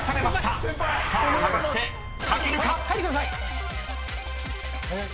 ［さあ果たして書けるか⁉］